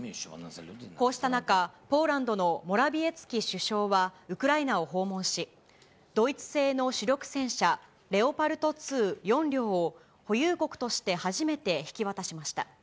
こうした中、ポーランドのモラビエツキ首相はウクライナを訪問し、ドイツ製の主力戦車レオパルト２、４両を保有国として初めて引き渡しました。